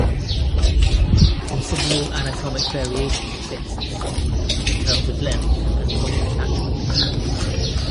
Considerable anatomic variation exists, in terms of length and point of attachment.